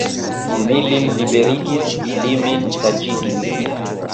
Mi lin liberigis, li min saĝigis.